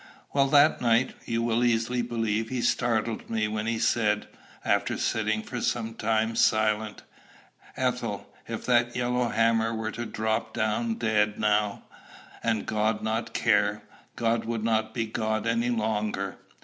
Well, that night, you will easily believe he startled me when he said, after sitting for some time silent, 'Ethel, if that yellow hammer were to drop down dead now, and God not care, God would not be God any longer.'